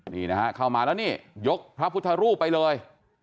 นี่นะฮะเข้ามาแล้วนี่ยกพระพุทธรูปไปเลย